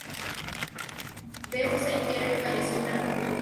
De esto se infiere que falleció en plena juventud.